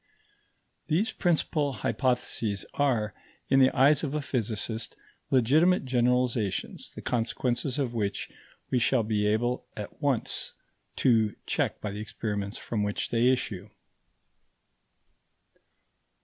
These principal hypotheses are, in the eyes of a physicist, legitimate generalizations, the consequences of which we shall be able at once to check by the experiments from which they issue.